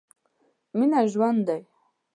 مينه ژوند دی.